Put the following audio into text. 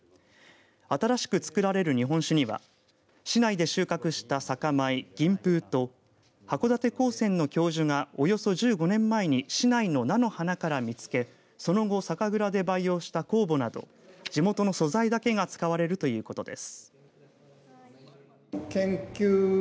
新しく造られる日本酒には市内で収穫した酒米吟風と函館高専の教授がおよそ１５年前に市内の菜の花から見つけその後、酒蔵で培養した酵母など地元の素材だけが使われるということです。